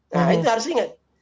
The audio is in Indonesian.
nah itu harus ingat